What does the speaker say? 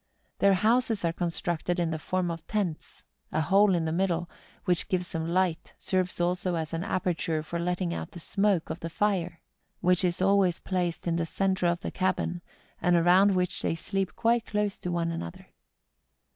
Their houses are constructed in the form of tents — a hole in the middle, which gives them light, serves also as an aperture for letting out the smoke of the fire. Island of Lofoden, North Cape. which is always placed in the centre of the cabin, and around which they sleep quite close to one another.